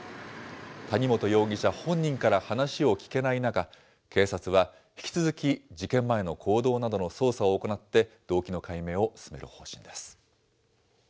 谷本容疑者本人から話を聞けない中、警察は引き続き事件前の行動などの捜査を行って、動機の解明を進める方針です。